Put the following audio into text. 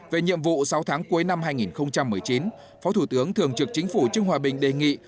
về nhiệm vụ sáu tháng cuối năm hai nghìn một mươi chín phó thủ tướng thường trực chính phủ trương hòa bình đề nghị